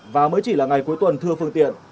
và mới chỉ là ngày cuối tuần thưa phương tiện